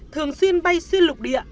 thường xuyên bay xuyên lục địa